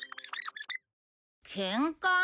「ケンカ」？